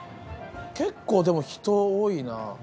結構でも人多いなぁ。